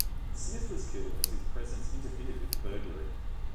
Smith was killed as his presence interfered with the burglary.